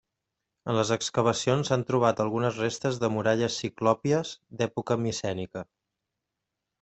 En les excavacions s'han trobat algunes restes de muralles ciclòpies d'època micènica.